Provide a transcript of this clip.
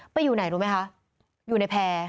ไปอยู่ไหนรู้ไม่คะอยู่ในแพง